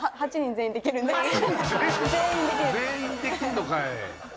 全員できんのかい。